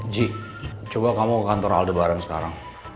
g coba kamu ke kantor alde bareng sekarang